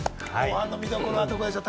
見どころはどこでしょう？